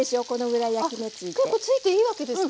結構ついていいわけですか。